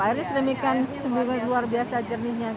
airnya sedemikian luar biasa jernihnya